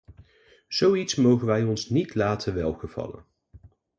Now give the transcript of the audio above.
Zoiets mogen wij ons niet laten welgevallen.